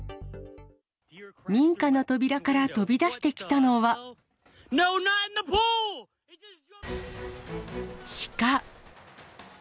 民家の扉から飛び出してきたのは、鹿。